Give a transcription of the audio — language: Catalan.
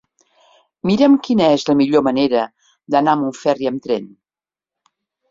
Mira'm quina és la millor manera d'anar a Montferri amb tren.